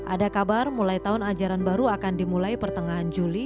ada kabar mulai tahun ajaran baru akan dimulai pertengahan juli